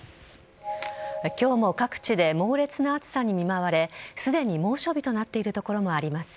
きょうも各地で猛烈な暑さに見舞われ、すでに猛暑日となっている所もあります。